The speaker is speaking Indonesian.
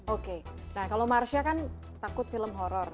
oke nah kalau marsha kan takut film horror